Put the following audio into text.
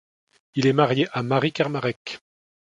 Il est marié à Marie Kermarec.